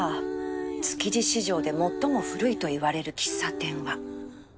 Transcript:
築地市場で最も古いといわれる喫茶店は